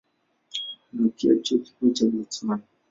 Kuna pia Chuo Kikuu cha Botswana.